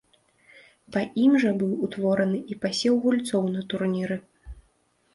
Па ім жа быў утвораны і пасеў гульцоў на турніры.